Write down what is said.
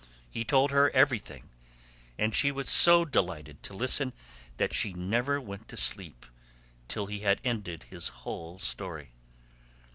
He told her everything, and she was so delighted to listen that she never went to sleep till he had ended his whole story.